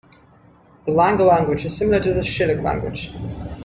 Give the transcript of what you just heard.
The Lango language is similar to the Shilluk language.